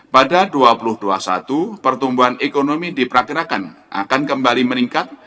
pada dua ribu dua puluh satu pertumbuhan ekonomi diperkirakan akan kembali meningkat